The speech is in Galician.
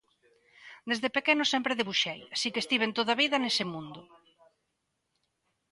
Desde pequeno sempre debuxei, así que estiven toda a vida nese mundo.